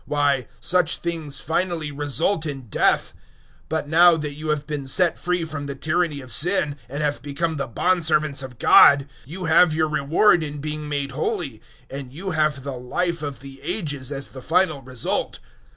Why, such things finally result in death. 006:022 But now that you have been set free from the tyranny of Sin, and have become the bondservants of God, you have your reward in being made holy, and you have the Life of the Ages as the final result.